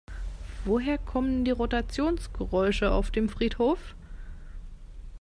Woher kommen die Rotationsgeräusche auf dem Friedhof?